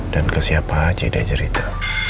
dan ke siapa aja dia cerita